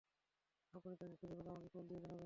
আপনি তাকে খুঁজে পেলে আমাকে কল দিয়ে জানাবেন।